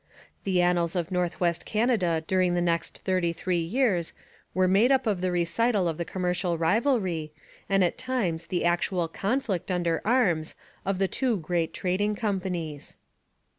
The annals of North West Canada during the next thirty three years are made up of the recital of the commercial rivalry, and at times the actual conflict under arms, of the two great trading companies.